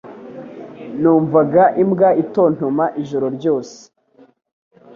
Numvaga imbwa itontoma ijoro ryose